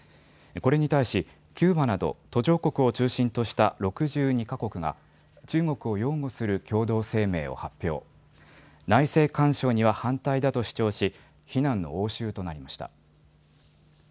これに対しキューバなど途上国を中心とした６２か国が中国を擁護する共同声明を発表、内政干渉には反対だと主張し非難の応酬となりました。